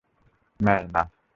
মেই, না!